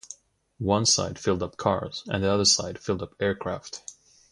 One side filled up cars the other side filled up aircraft.